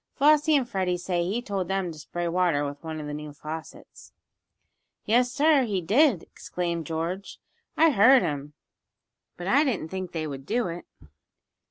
Flossie and Freddie say he told them to spray water with one of the new faucets." "Yes, sir, he did!" exclaimed George. "I heard him, but I didn't think they would do it.